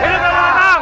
hidup yang datang